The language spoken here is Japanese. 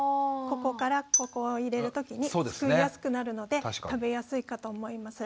ここからこう入れるときにすくいやすくなるので食べやすいかと思います。